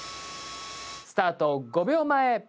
スタート５秒前。